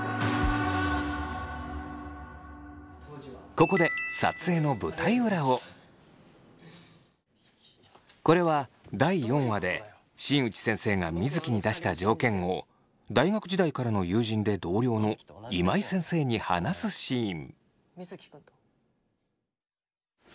ここでこれは第４話で新内先生が水城に出した条件を大学時代からの友人で同僚の今井先生に話すシーン。